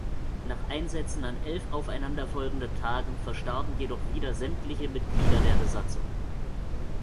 Nach Einsätzen an elf aufeinander folgenden Tagen verstarben jedoch wieder sämtliche Mitglieder der Besatzung.